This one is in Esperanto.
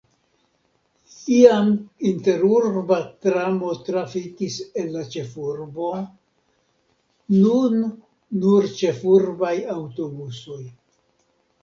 Iam interurba tramo trafikis el la ĉefurbo, nun nur ĉefurbaj aŭtobusoj.